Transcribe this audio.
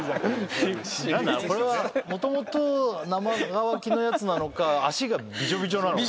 これはもともと生乾きのやつなのか足がビチョビチョなのか。